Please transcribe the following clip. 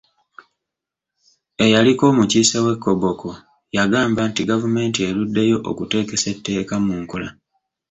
Eyaliko omukiise w'e Koboko yagamba nti gavumenti eruddeyo okuteekesa etteeka mu nkola.